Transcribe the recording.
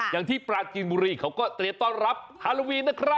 อย่างที่ปราจีนบุรีเขาก็เตรียมต้อนรับฮาโลวีนนะครับ